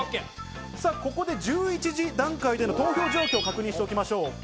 ここで１１時段階での投票状況を確認しておきましょう。